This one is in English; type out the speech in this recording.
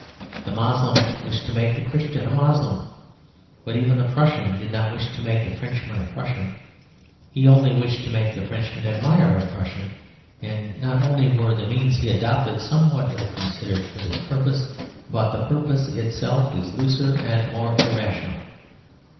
The Moslem wished to make the Christian a Moslem; but even the Prussian did not wish to make the Frenchman a Prussian. He only wished to make the Frenchman admire a Prussian; and not only were the means he adopted somewhat ill considered for this purpose, but the purpose itself is looser and more irrational.